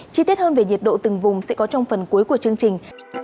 chi tiết hơn về nhiệt độ từng vùng sẽ có trong phần cuối của chương trình